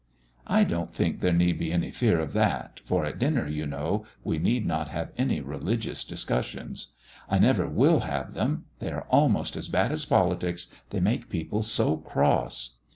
"I don't think there need be any fear of that, for at dinner, you know, we need not have any religious discussions; I never will have them; they are almost as bad as politics, they make people so cross."